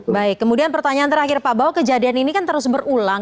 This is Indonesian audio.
baik kemudian pertanyaan terakhir pak bahwa kejadian ini kan terus berulang